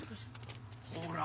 ほら！